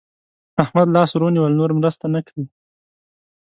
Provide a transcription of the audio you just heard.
احمد لاس ور ونيول؛ نور مرسته نه کوي.